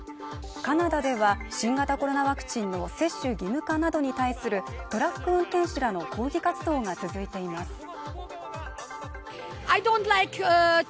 カナダでは新型コロナワクチンの接種義務化などに対するトラック運転手らの抗議活動が続いています